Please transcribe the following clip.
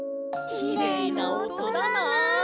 きれいなおとだな。